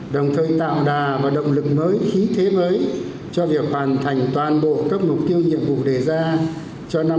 đồng thời tạo đà và động lực mới khí thế mới cho việc hoàn thành toàn bộ các mục tiêu nhiệm vụ đề ra cho năm hai nghìn hai mươi